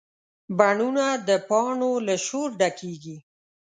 بڼونه د پاڼو له شور ډکېږي